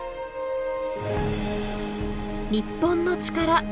『日本のチカラ』